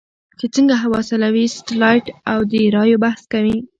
چې څنګه هوا سړوي سټلایټ او د رادیو بحث کوي.